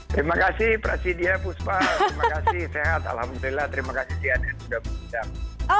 terima kasih prasidia puspa terima kasih sehat alhamdulillah terima kasih si anir sudah berhubungan